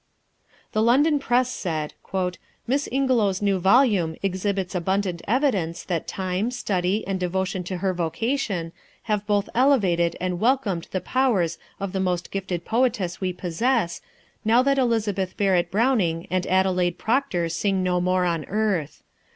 The London press said: "Miss Ingelow's new volume exhibits abundant evidence that time, study, and devotion to her vocation have both elevated and welcomed the powers of the most gifted poetess we possess, now that Elizabeth Barrett Browning and Adelaide Proctor sing no more on earth.